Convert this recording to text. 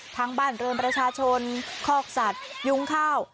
บ้านเรือนประชาชนคอกสัตว์ยุงข้าว